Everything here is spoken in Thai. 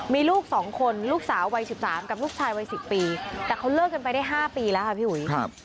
มีลูก๒คนลูกสาววัย๑๓กับลูกชายวัย๑๐ปีแต่เขาเลิกกันไปได้๕ปีแล้วค่ะพี่อุ๋ย